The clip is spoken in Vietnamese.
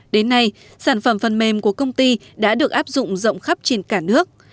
đến nay sản phẩm phần mềm của công ty đã được áp dụng rộng khắp trên cả nước